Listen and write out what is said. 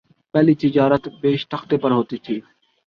پہلی تجارت بیشتختے پر ہوتی ہے